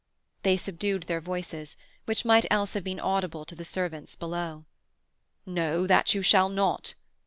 They subdued their voices, which might else have been audible to the servants below. "No, that you shall not!"